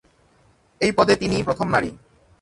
এই পদে তিনিই প্রথম নারী।